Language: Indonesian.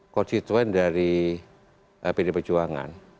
kostituen dari pdi perjuangan